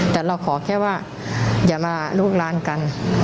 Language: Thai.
แต่เราขอแค่ว่าอย่ามาลูกล้านกัน